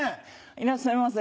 いらっしゃいませ。